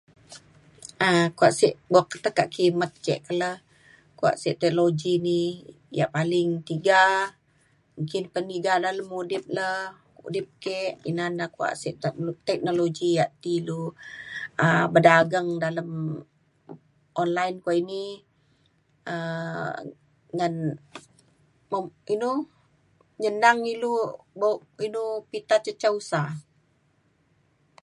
um kuwak sek buk tekak kimet ke, keler kuwa se teknologi ni yang paling tiga engkin peniga dalem udip ler. Udip ke ina neh kuwak se teknologi yak ilu berdageng dalem online kuwak ini um ngan peng inu nyenang ilu bo inu bok pita ca ca usa.